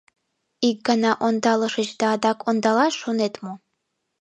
Ик гана ондалышыч да адак ондалаш шонет мо?